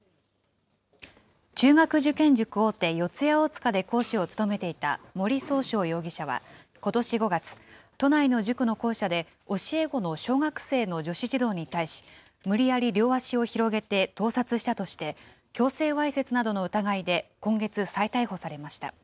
中学受験塾大手、四谷大塚で講師を務めていた森崇翔容疑者はことし５月、都内の塾の校舎で、教え子の小学生の女子児童に対し、無理やり両足を広げて、盗撮したとして、強制わいせつなどの疑いで今月、再逮捕されました。